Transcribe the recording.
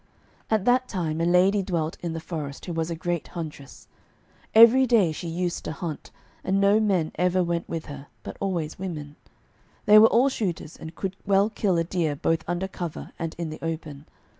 At that time a lady dwelt in the forest, who was a great huntress. Every day she used to hunt, and no men ever went with her, but always women. They were all shooters, and could well kill a deer both under cover and in the open.